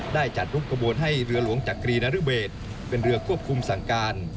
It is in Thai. ได้จัดรูปขบวนให้เรือหลวงจักรีนรเบศเป็นเรือควบคุมสั่งการ